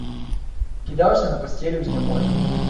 Кідаўся на пасцелі ў знямозе.